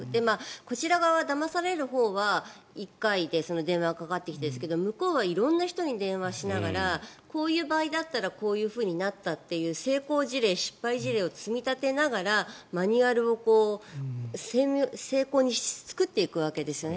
こちら側はだまされるほうは１回で電話がかかってきてですが向こうは色んな人に電話しながらこういう場合だったらこういうふうになったという成功事例、失敗事例を積み立てながらマニュアルを精巧に作っていくわけですよね。